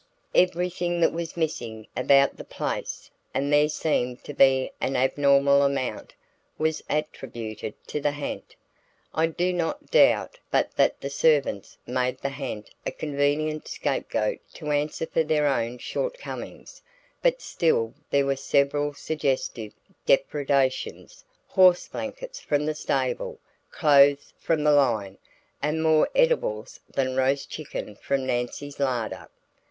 Everything that was missing about the place and there seemed to be an abnormal amount was attributed to the ha'nt. I do not doubt but that the servants made the ha'nt a convenient scapegoat to answer for their own shortcomings, but still there were several suggestive depredations horse blankets from the stable, clothes from the line and more edibles than roast chicken from Nancy's larder.